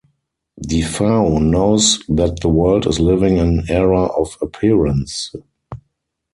Defao knows that the world is living an era of appearance.